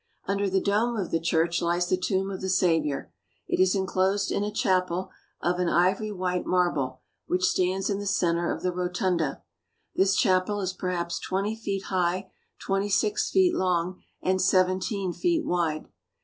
Under the dome of the church lies the tomb of the Saviour. It is enclosed in a chapel of an ivory white mar ble, which stands in the centre of the rotunda. This chapel is perhaps twenty feet high, twenty six feet long, and seventeen feet wide.